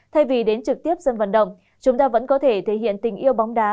thay vì đến trực tiếp dân vận động chúng ta vẫn có thể thể hiện tình yêu bóng đá